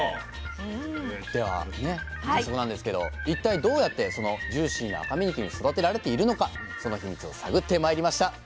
ではね早速なんですけど一体どうやってそのジューシーな赤身肉に育てられているのかそのヒミツを探ってまいりました。